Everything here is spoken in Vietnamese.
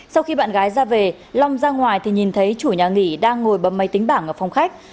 sau khi bạn gái ra về long ra ngoài thì nhìn thấy chủ nhà nghỉ đang ngồi bấm máy tính bảng ở phòng khách